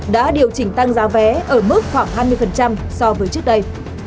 đã điều chỉnh tăng giá vé ở mức khoảng hai mươi so với trước đây